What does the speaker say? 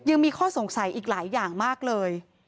ยังมีข้อสงสัยอีกหลายอย่างมากเลย